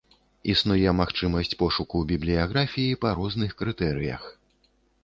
Існуе магчымасць пошуку бібліяграфіі па розных крытэрыях.